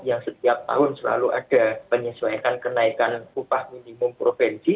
yang setiap tahun selalu ada penyesuaikan kenaikan upah minimum provinsi